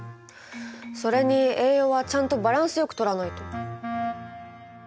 それに栄養はちゃんとバランスよくとらないと。